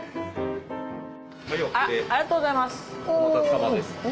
ありがとうございます。